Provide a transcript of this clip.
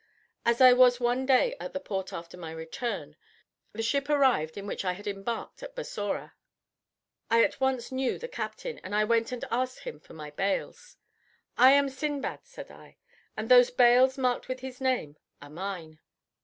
As I was one day at the port after my return, the ship arrived in which I had embarked at Bussorah. I at once knew the captain, and I went and asked him for my bales. "I am Sindbad," said I, "and those bales marked with his name are mine."